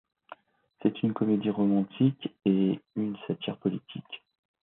C'est une comédie romantique et une satire politique.